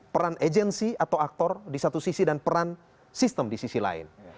peran agensi atau aktor di satu sisi dan peran sistem di sisi lain